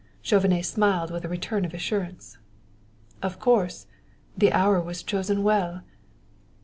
Chauvenet smiled with a return of assurance. "Of course. The hour was chosen well!"